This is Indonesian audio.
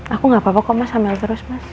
aku nggak apa apa kok mas hamil terus mas